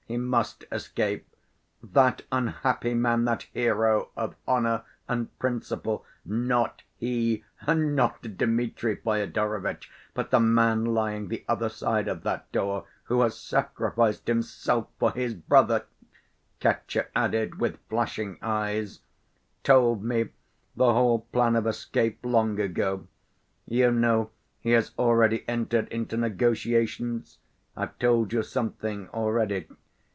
He must escape. That unhappy man, that hero of honor and principle—not he, not Dmitri Fyodorovitch, but the man lying the other side of that door, who has sacrificed himself for his brother," Katya added, with flashing eyes—"told me the whole plan of escape long ago. You know he has already entered into negotiations.... I've told you something already....